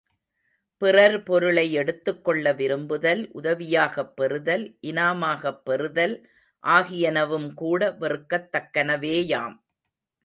பிறர் பொருளை எடுத்துக்கொள்ள விரும்புதல், உதவியாகப் பெறுதல், இனாமாகப் பெறுதல் ஆகியனவும்கூட வெறுக்கத் தக்கனவேயாம்.